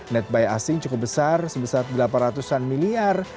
netbuy asing cukup besar sebesar delapan ratus an miliar